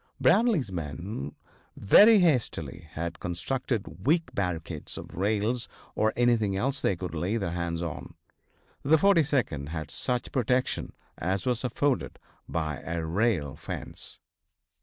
Bradley's men very hastily had constructed weak barricades of rails or anything else they could lay their hands on. The 42d had such protection as was afforded by a rail fence.